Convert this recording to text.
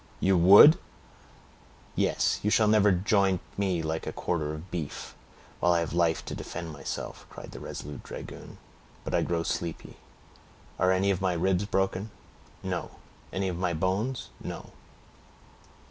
"You would!" "Yes; you shall never joint me like a quarter of beef, while I have life to defend myself," cried the resolute dragoon. "But I grow sleepy; are any of my ribs broken?" "No." "Any of my bones?" "No."